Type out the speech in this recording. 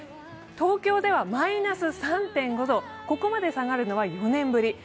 東京ではマイナス３．５度、ここまで下がるのは４年ぶり。